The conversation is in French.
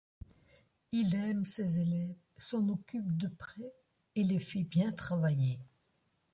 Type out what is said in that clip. Il aime ses élèves, s'en occupe de près et les fait bien travailler.